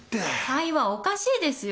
会話おかしいですよ。